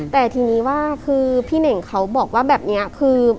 แต่ทีนี้ว่าคือพี่เน่งเขาบอกว่าแบบนี้คือ